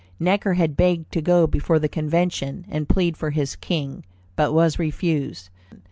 Necker had begged to go before the Convention and plead for his king, but was refused.